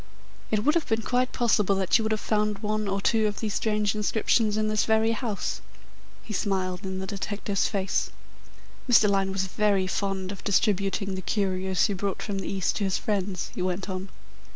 It would have been quite possible that you would have found one or two of these strange inscriptions in this very house." He smiled in the detective's face. "Mr. Lyne was very fond of distributing the curios he brought from the East to his friends," he went on.